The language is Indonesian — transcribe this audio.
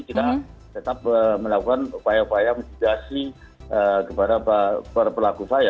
kita tetap melakukan upaya upaya mitigasi kepada para pelaku saya